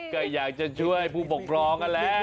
ก็อยากจะช่วยผู้ปกครองนั่นแหละ